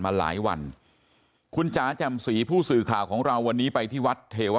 มาหลายวันคุณจ๋าแจ่มสีผู้สื่อข่าวของเราวันนี้ไปที่วัดเทวะ